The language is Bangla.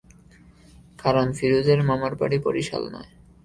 কারণ ফিরোজের মামার বাড়ি বরিশাল নয়।